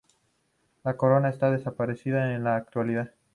La corona está desaparecida en la actualidad.